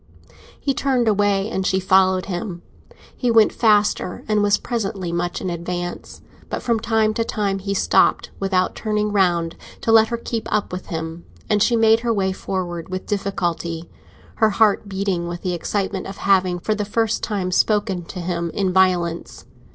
He turned away, and she followed him; he went faster, and was presently much in advance. But from time to time he stopped, without turning round, to let her keep up with him, and she made her way forward with difficulty, her heart beating with the excitement of having for the first time spoken to him in violence.